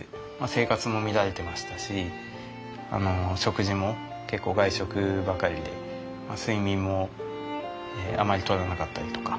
生活も乱れてましたし食事も結構外食ばかりで睡眠もあまりとらなかったりとか。